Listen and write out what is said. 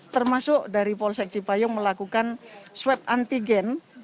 termasuk dari polsek cipayung melakukan swab antigen